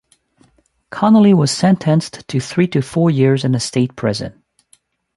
Connolly was sentenced to three to four years in the State Prison.